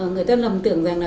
người ta lầm tưởng rằng là